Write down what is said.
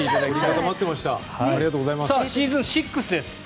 シーズン６です。